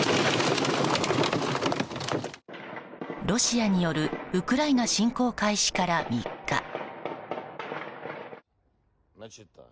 ロシアによるウクライナ侵攻開始から３日。